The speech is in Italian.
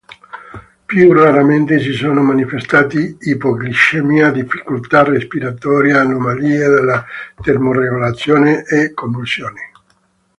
Più raramente si sono manifestati ipoglicemia, difficoltà respiratoria, anomalie della termoregolazione e convulsioni.